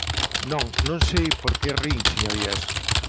Non, non sei por que rin, señorías.